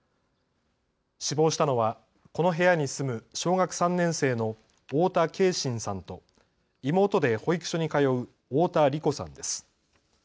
死亡したのはこの部屋に住む小学３年生の太田継真さんと妹で保育所に通う太田梨心さんです。